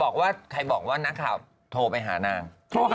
ใครบอกว่านักข่าวโทรไปหานาง